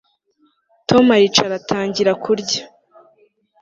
Tom aricara atangira kurya